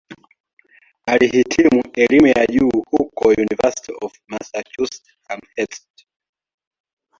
Alihitimu elimu ya juu huko "University of Massachusetts-Amherst".